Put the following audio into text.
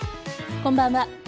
こんばんは。